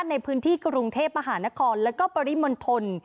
ในพื้นที่กรุงเทพมหานครแล้วก็ปริมณฑล